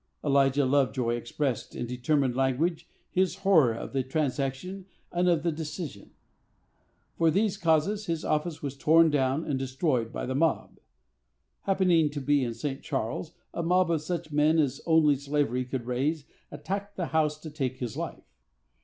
Elijah Lovejoy expressed, in determined language, his horror of the transaction and of the decision. For these causes, his office was torn down and destroyed by the mob. Happening to be in St. Charles, a mob of such men as only slavery could raise attacked the house to take his life.